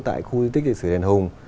tại khu du lịch lịch sử đền hùng